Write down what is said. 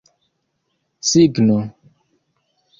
signo